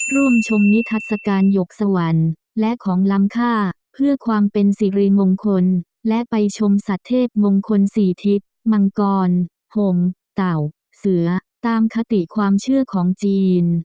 ร่วมชมนิทัศกาลหยกสวรรค์และของล้ำค่าเพื่อความเป็นสิริมงคลและไปชมสัตว์เทพมงคลสี่ทิศมังกรหงเต่าเสือตามคติความเชื่อของจีน